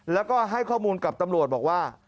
แล้วก็ให้ข้อมูลกับตำรวจบอกว่า